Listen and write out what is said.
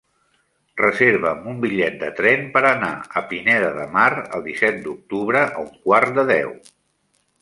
Reserva'm un bitllet de tren per anar a Pineda de Mar el disset d'octubre a un quart de deu.